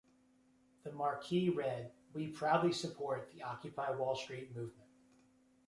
The marquee read We proudly support the Occupy Wall Street Movement.